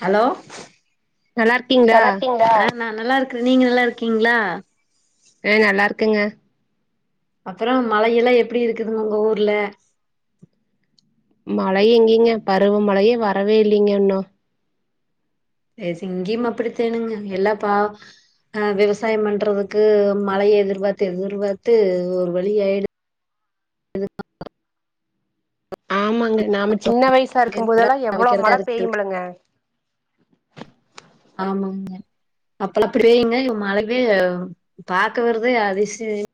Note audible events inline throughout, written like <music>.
hello நல்லா இருக்கீங்களா நல்லார்க்கிங்ளா நா நல்லாருக்றே நீங்க நல்லா இருக்கிங்ளா அ நல்லார்க்கங்க அப்பறோ மழையெல்லா எப்டி இருக்குதுங்க உங்க ஊர்ல மழ எங்கீங்க பருவ மழயே வரவே இல்லீங்க இன்னோ ஏச் இங்கியும் அப்புடித்தாணுங்க எல்லாப்பா அ வெவசாயம் பண்றதுக்கு மழைய எதிர்பார்த்து எதிர்பார்த்து ஒரு வழி ஆயிடு ஆமாங்க நாம சின்ன வயசா இருக்கும் போதெல்லா எவ்ளோ துவைக்கிறக்கு மழப் அதுக்கு இருக்கு பெய்யும்பலுங்க ஆமங்க அப்பெல்லாப் பேயுங்க இவ் மழவே பாக்க வருது அதிசயங்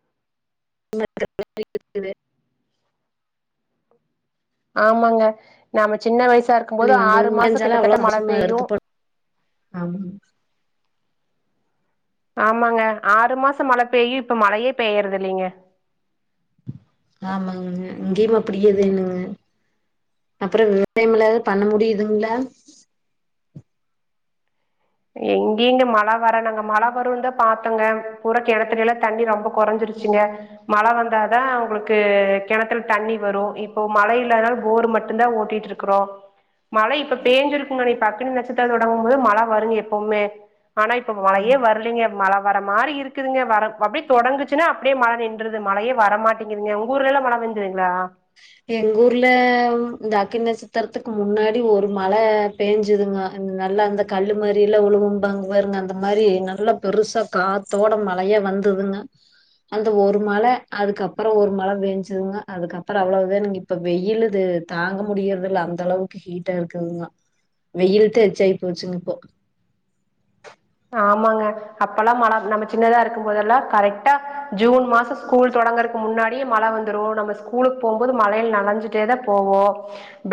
<unintelligible> ஆமாங்க நாம்ம சின்ன வயசா தண்ணி இருக்கும்போது வந்து ஆறு மாசங் நெனஞ்சாலே கிட்டதட்ட மழ பெய்யு ஆமாங் ஆமாங்க ஆறு மாசம் மழ பெய்யும் இப்ப மழயே பெய்யறது இல்லிங்க ஆமாங்க இங்கியும் அப்புடியே தேனுங்க அப்பறோ வெவசாயமெல்லா எதாது பண்ண முடியிதுங்ளா எங்கிங்க மழ வர நாங்க மழ வருன்தாப் பாத்தோங்க புறக் கெணத்துலேலாத் தண்ணி ரொம்ப கொறஞ்சிருச்சுங்க மழ வந்தாதா உங்களுக்கு கெணத்துல தண்ணி வரு இப்போ மழை இல்லாதனால போரு மட்டுந்தா ஓட்டிட் ட்ருக்குறோ மழை இப்ப பேஞ்சிருங்கோ நிப்ப அக்குனி நட்ச்சத்திரோ தொடங்கும்போது மழ வருங்க எப்போமே ஆனா இப்ப மழயே வருலீங்க மழ வர மாரி இருக்குதுங்க வரம் அப்டியேத் தொடங்குச்சுன்னாப் அப்டியே மழை நின்றது மழையே வர மாட்டிங்குதுங்க உங்க ஊர்லெல்லாம் மழ பேஞ்சதுங்ளா எங்கூர்ல ம் இந்த அக்கின் நட்ச்சத்தெரத்துக்கு முன்னாடி ஒரு மழப் பேஞ்சிதுங்க நல்லா அந்தக் கல்லு மாரியிலா உழுவும்பாங் பாருங்க அந்த மாரி நல்லாப் பெருசாக் காத்தோட மழையா வந்ததுங்க அந்த ஒரு மழ அதுக்கப்பறோ ஒரு மழ வேஞ்சதுங்க அதுக்கப்பறோ அவ்ளோ வேனுங்க இப்ப வெயிலு இது தாங்க முடியறது இல்ல அந்த அளவுக்கு ஹீட்டா இருக்குதுங்ளா வெயில் த எச்சாயி போச்சுங்க இப்போ ஆமாங்க அப்பெல்லா மழ நம்ம சின்னதா இருக்கு போதெல்லா கரெடா ஜூன் மாச ஸ்கூல் தொடங்கறக்கு முன்னாடி மழ வந்துரு நம்ம ஸ்கூலுக்கு போம்போது மழைல நனஞ்சுட்டே தா போவோ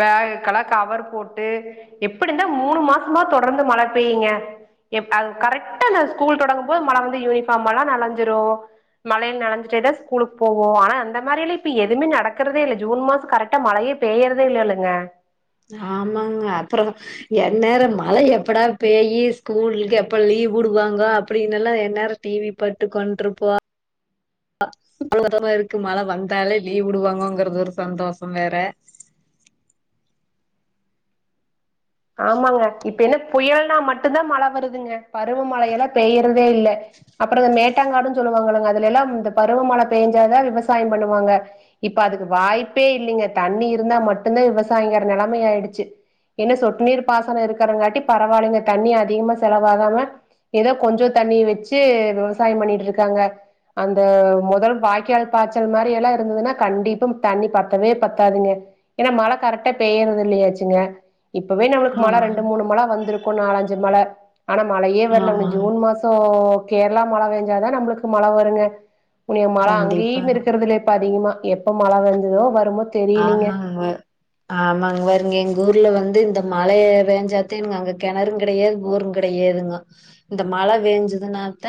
பேகுக்கு எல்லா கவரு போட்டு எப்டிந்தா மூணு மாசமா தொடர்ந்து மழ பெய்யுங்க எப் அது கரெக்டா இந்த ஸ்கூல் தொடங்கும் போது மழ வந்து யூனிஃபார்ம் எல்லா நலஞ்சிரு மழைல நெனைஞ்சிட்டே தா ஸ்கூலுக்கு போவோ ஆனா அந்த மாரிலா இப்ப எதுமே நடக்கிறதே இல்ல ஜூன் மாசம் கரெட் டா மழையே பெய்யறதே இல்லேலங்க ஆமாங்க அப்புற என்நேர மழை எப்படா பெயி ஸ்கூலுக்கு எப்ப லீவ் விடுவாங்கோ அப்டின் எல்லா என் நேர டிவி பாட்டு ஒக்கான்ட்ருப்போ அ <unintelligible> இருக்கு மழை வந்தாலே லீவ் விடுவாங்கோங்கறது ஒரு சந்தோஷ வேற ஆமாங்க இப்ப என்ன புயல்னா மட்டுதா மழை வருதுங்க பருவமழை எல்லா பேய்யிறதே இல்ல அப்புற இந்த மேட் ட்டங்காடுன்னு சொல்லுவாங்கங்க அதுல எல்லா இந்த பருவமழை பெஞ்சாதா விவசாய பண்ணுவாங்க இப்ப அதுக்கு வாய்ப்பே இல்லைங்க தண்ணி இருந்தா மட்டுந்தா விவசாயிங்கற நெலைமை ஆயிடுச்சு என்ன சொட்டு நீீர் பாசன இருக்கறங்காட்டி பரவாயில்லைங்க தண்ணி அதிகமா செலவாகாம ஏதோ கொஞ்ச தண்ணிய வச்சு விவசாயம் பண்ணிட்டு இருக்காங்க அந்த முதல் வாய்க்கால் பாய்ச்சல் மாரி எல்லா இருந்துதுன்னா கண்டிப்பா தண்ணி பத்தவே பத்தாதுங்க ஏனா மழை கரெக்டா பெய்யுறது இல்லையாச்சுங்க இப்பவே நமளுக்கு மழை ரெண்டு ஆமாங்க மூணு மழ வந்திருக்கு நாலஞ்சு மழ ஆனா மழையே வரல இன்னும் ஆமாங்க ஜூன் மாச கேரளா மழ பெஞ்சாதா நம்மளுக்கு மழ வருங்க உன்னைய மழை அங்கேயும் கண்டிப்பாங்க இருக்குறதுல இப்ப அதிகமா எப்ப மழை வஞ்சதோ வரும்போது ஆமாங்க ஆமாங்க பாருங்க எங்க ஊர்ல வந்து இந்த மழையே பெஞ்சாத்த இவுங்க அங்க கிணறு கிடையாது போரு கிடையாதுங்க இந்த மழ வேஞ்சுதுநானத்த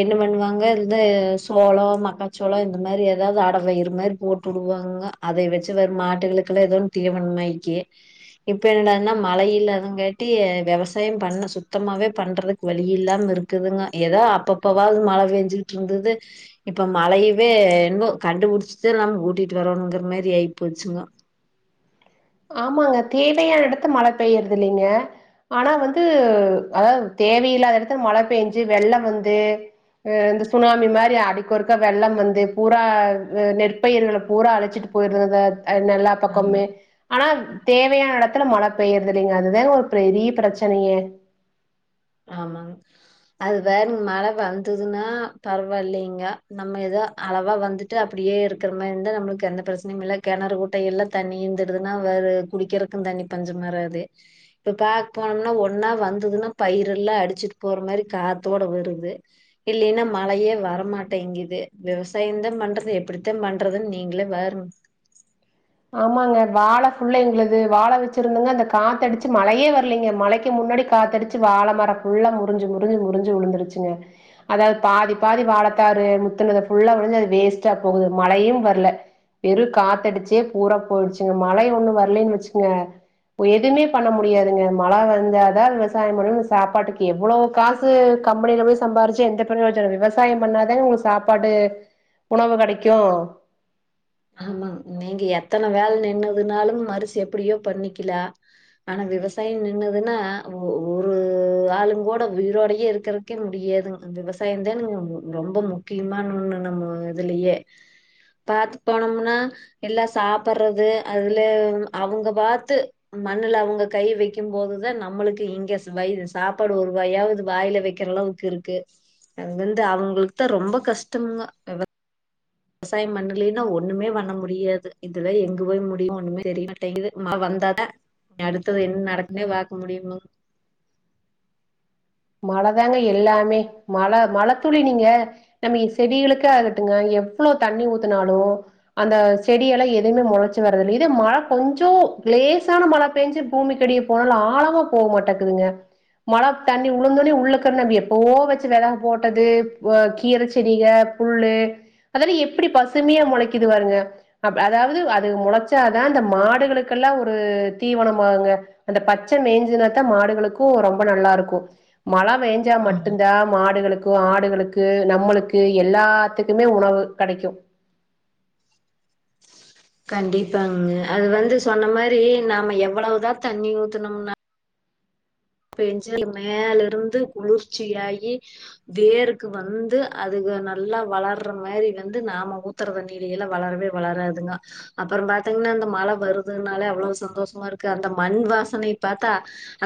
என்ன பண்ணுவாங்க இந்த சோள மக்காச்சோள இந்த மாதிரி ஏதாவது அடை செய்யிற மாரி போட் டுடுவாங்க அதை வச்சு வெறு மாட்டுகளுக்கு எல்லா ஏதோ தீவனமாயக்கி இப்ப என்னடான்னா மழ இல்லாதங் காட்டி விவசாயம் பண்ண சுத்தமாவே பண்றதுக் வழி இல்லாம இருக்குதுங்க ஏதா அப்பப்பவாவது மழ பெஞ்சுட்டு இருந்துது இப்ப மழையவே இன்னு கண்டுபுடுச்சுதா நாம ஊட்டிட்டு வரணுங்கிற மாரி ஆகி போச்சுங்கோ ஆமாங்க தேவையான எடத்துல மழ பெய்யுறது இல்லைங்க ஆனா வந்து அதாவது தேவையில்லாத எடத்துல மழ பெஞ்சு வெள்ளம் வந்து அ இந்த சுனாமி மாரி அடிக்கொறுக்கா வெள்ளம் வந்து பூரா நெற்பயிர்கள பூரா அடிச்சிட்டு போயிற்றத த அ எல்லா ஆமா பக்கமே ஆனா தேவையான எடத்துல மழை பெய்யுறது இல்லைங்க அதுதானே ஒரு பெரிய பிரச்சனையே ஆமாங் அது வேற மழ வந்துதுன்னா பரவா இல்லைங்க நம்ம ஏதோ அளவா வந்து ட்டு அப்டியே இருக்கிற மாரி இந்தா நம்மளுக்கு எந்த பிரச்சனையும் இல்ல கிணறு குட்டை இல்ல தண்ணி இருந்துடுதுன்னா வரு குடிக்கிறக்கு தண்ணி பஞ்சம் வராது இப்ப பாக் போனோம்னா ஒன்னா வந்துதுன்னா பயிரு எல்லா அடிச்சிட்டு போற மாரி காத்தோட வருது இல்லேன்னா மழையே வரமாட்டேங்குது விவசாயந்தா பண்றது எப்டித்தா பண்றதுன்னு நீங்களே பாருங் ஆமாங்க வாழை ஃபுல்ல எங்களுது வாழ வச்சிருந்தோங்க அந்த காத்தடிச்சு மழையே வரலேங்க மழைக்கு முன்னாடி காத்தடிச்சு சு வாழ மர ஃபுல்லா முறுஞ்சு முறுஞ்சு முறுஞ்சு உழுந்துருச்சுங்க அதாவுது பாதி பாதி வாழைத்தாறு முத்துனதது ஃபுல்லா விழுந்து அது வேஸ்டா போகுது மழயு வரல வெறு காத்தடிச்சி பூரா போயிடுச்சுங்க மழை ஒண்ணு வரலன்னு வச்சுக்கிங்க எதுவுமே பண்ண முடியாதுங்க மழ வந்தாதா விவசாயோ பண்ணி சாப்பாட்டுக்கு எவ்ளோ காஸ் க்கு கம்பெனியில போய் சம்பாாரிச்சு எந்த பிரோஜனமு இல்ல விவசாயோ பண்ணாதா எங்களுக்கு சாப்பாடு உணவு கெடைக்கு ஆமா நீங்க எத்தன வேல நின்னதுனாலு அரிசி எப்டியோ பண்ணிக்கிலா ஆனா விவசாயோ நின்னதுன்னா ஒரு ஆளுங்கூட உயிரோடையே இருக்கற கக்க முடியாதுங்க இந்த விவசாயோ தான்ங்க ரொம்ப முக்கியமான ஒண்ணு நம்ம இதுலியே பாத்து போனோம்னா எல்லா சாப்பிறது அதுல அவுங்க பாத்து மண்ணுல அவுங்க கை வைக்கு போதுதான் நம்மளுக்கு இங்க வயிறு சாப்பாடு ஒரு வாயாவுது வாயில வைக்கிற அளவு இருக்கு இருக்கு அங்க வந்து அவுங்களுக்கு தா ரொம்ப கஷ்டம்கோ விவ விவசாயோ பண்ணலன்னா ஒண்ணுமே பண்ண முடியாது இதுல எங்க போய் முடியு ஒண்ணுமே தெரியமாட்டங்குது மழ வந்தாதா அடுத்தது என்ன நடக்குனே பாக்க முடியும்ங் மழதாங்க எல்லாமே மழ மழ துளி நீங்க நம்ம செடிகளுக்கு ஆகட்டுங்க எவ்ளோ தண்ணி ஊத்தினாலு அந்த செடியெல்லா எதுவுமே முளைச்சு வரது இல்ல இது மழ கொஞ்சோ லேசான மழ பேஞ்ச பூமி கடிய போனாலு ஆழமா போக மாட்டேக்குதுங்க மழ தண்ணி உழுந்தோனே உள்ளக்க நம்ப எப்போவோ வச்சு வெத போட்டது கீர செடிக புல்லு அதுலா எப்டி பசுமையா மொளைக்குது பாருங்க அ அதாவுது அது மொளச்சாதா இந்த மாடுகளுக்கெல்லா ஒரு தீவனோ ஆவுங்க அந்த பச்ச மேஞ்துனாத்தா மாடுகளுக்கு ரொம்ப நல்லா இருக்கு மழ பேஞ்சா ஆமா மட்டுதா மாடுகளுக் கு ஆடுகளுக்கு நம்மளுக்கு எல்லாத்துக்குமே உணவு கெடைக்கு கண்டிப்பாங்க அது வந்து சொன்ன மாரி நாம எவ்ளோதா தண்ணி ஊத்துனும்னா பெஞ்சாலு மேல இருந்து குளிர்ச்சி ஆயி வேருக்கு வந்து அதுக நல்லா வளர்ற மேரில்லிந்து நாம ஊத் த்திர தண்ணீலேயெல்லா வளரவே வளராதுங்க அப்றோ பாத்தீங்கன்னா இந்த மழ வருதுனாலே அவ்ளோ சந்தோஷமா இருக்கு அந்த மண் வாசனைப் பாத்தா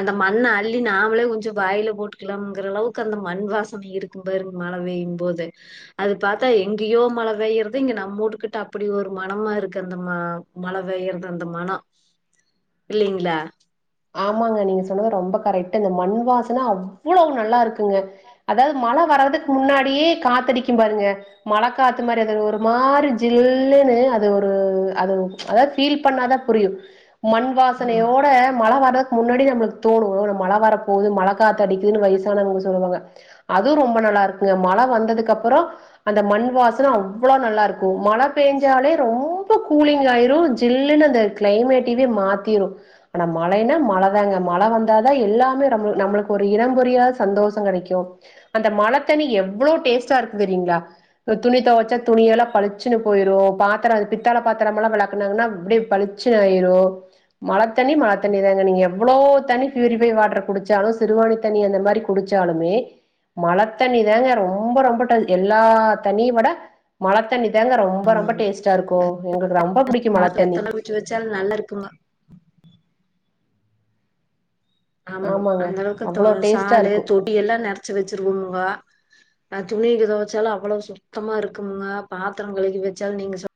அந்த மண்ண அ அள்ளி நாமளே கொஞ்சோ வாயில போட்டுக்கலாம்ங்கிற அளவுக்கு அந்த மண் வாசனை இருக்கும்பாருங் மழ பெயு போது அது பாத்தா எங்கியோ மழ பெயறது இங்க நம்மூட்டுக்கிட்ட அப்டி ஒரு மனமா இருக்கு அந்த மா மழ பெய்றது அந்த மனோ <inaudible> இல்லிங்ளா ஆமாங்க நீங்க சொன்னது ரொம்ப கரெக்ட் இந்த மண் வாசன அவ்ளோ நல்லா இருக்குங்க அதாவுது மழ வர்றதுக்கு முன்னாடியே காத்தடிக்கு பாருங்க மழ காத்து மாரி அது ஒரு மாரி ஜில்ன்னு அது ஒரு அது அதா ஃபீல் பண்ணாதா புரியு மண் ஆமா வாசனையோட மழ வர்றதுக்கு முன்னாடி நம்மளுக்கு தோணு மழ வர போகுது மழ காத்து அடிக்குதுன்னு வயசானவங்க சொல்லுவாங்க அதுவு ரொம்ப நல்லா இருக்குங்க மழை வந்ததுக்கு அப்றோ அந்த மண் வாசன அவ்ளோ நல்லா இருக்கு மழ பெஞ்சாலே ரொம்ப கூலிங் ஆயிரு ஜில்லுன்னு தத் க்ளைமேட் இதே மாத்திரு ஆனா மழன்னா மழதாங்க மழ வந்தாதா எல்லாமே நம்ம நம்மளுக்கு ஒரு இடபுரியாத சந்தோஷோ கெடைக்கு அந்த மழத்தண்ணி எவ்ளோ டேஸ்ட்டா இருக்கு தெரியுங்ளா துணி துவைச்சா துணிய எல்லாம் பளிச்சு போயிரு பாத்திரோ பித்தாள பாத்தரமெல்லா வெளக்குனாங்கன்னா அப்டி ப ளிச்சயிருன்னு ஆயிரு மழ தண்ணி மழை தண்ணி தாங்க நீங்க எவ்வளோ தனி பியூரிபை வாட்டர் குடிச்சாலு சிறுவாணி தண்ணி அந்த மாரி குடிச்சாலுமே மழை தண்ணி தாங்க ரொம்ப ரொம்ப ட எல்லா தண்ணிய விட மழை தண்ணி தாங்க ரொம்ப ரொம்ப ஆமாங்க டேஸ்ட்டா இருக்கு எங்களுக்கு ரொம்ப பிடிக்கு மழை தண்ணி வச் வச்சாலு நல்லா இருக்குமா ஆமாங் ஆமாங்க அந்த அவ்ளோ அளவுக்கு டேஸ்ட்டா சாலு இருக்கு தொடி எல்லா நெரச்சி வச்சிருவோங்கோ அ துணிக்க தொவைச்சாலு அவ்ளோ சுத்தமா இருக்குங்க பாத்திரோ கழுவி வச்சால நீங்க சொ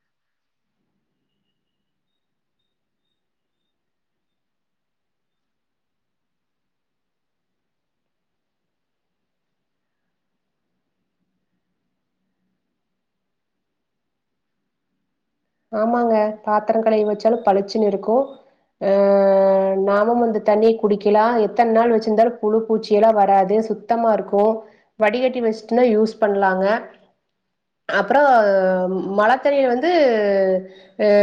ஆமாங்க பாத்திரம் கழுவி வச்சாலும் பளிச்சுன்னு இருக்கு ஆ நாமும் இந்தந்த தண்ணிய குடிக்கலா எத்தனை நாள் வச்சுருந்தாலு புழு பூச்சியெல்லாம் வராது சுத் சுத்தமா இருக்கு வடிகட்டி வச்சன்னா யூஸ் பண்ணலாங்க அப்புறோ மழைத்தண்ணிய வந்து அ